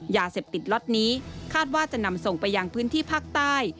ยาเสพติดล็อตนี้คาดว่าจะนำส่งไปยังพื้นที่ภาคใต้